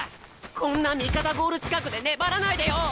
こんな味方ゴール近くで粘らないでよ！